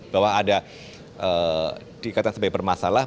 bahwa ada dikatakan sebagai bermasalah